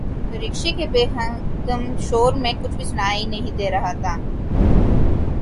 رکشے کے بے ہنگم شور میں کچھ بھی سنائی نہیں دے رہا تھا۔